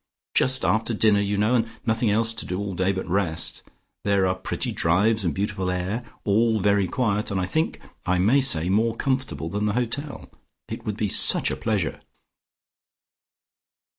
Just after dinner, you know, and nothing else to do all day but rest. There are pretty drives and beautiful air. All very quiet, and I think I may say more comfortable than the hotel. It would be such a pleasure."